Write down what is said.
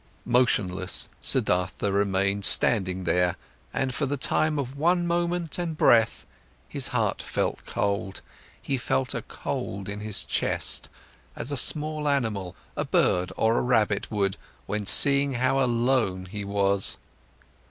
Motionless, Siddhartha remained standing there, and for the time of one moment and breath, his heart felt cold, he felt a cold in his chest, as a small animal, a bird or a rabbit, would when seeing how alone he was.